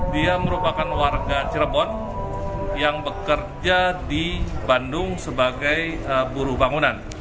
dia merupakan warga cirebon yang bekerja di bandung sebagai buruh bangunan